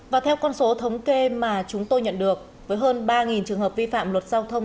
và theo con số thống kê mà chúng tôi nhận được với hơn ba trường hợp vi phạm luật giao thông